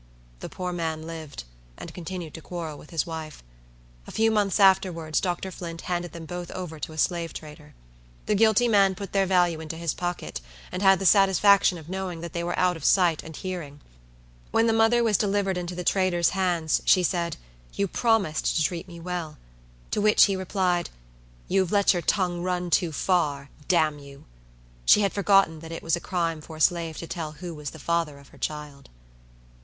The poor man lived, and continued to quarrel with his wife. A few months afterwards Dr. Flint handed them both over to a slave trader. The guilty man put their value into his pocket, and had the satisfaction of knowing that they were out of sight and hearing. When the mother was delivered into the trader's hands, she said. "You promised to treat me well." To which he replied, "You have let your tongue run too far; damn you!" She had forgotten that it was a crime for a slave to tell who was the father of her child.